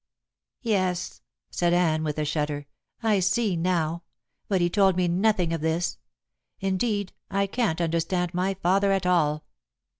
"Yes," said Anne, with a shudder, "I see now. But he told me nothing of this. Indeed, I can't understand my father at all."